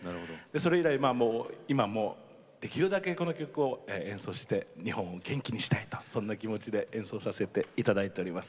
それ以来今もできるだけこの曲を演奏して日本を元気にしたいとそんな気持ちで演奏させて頂いております。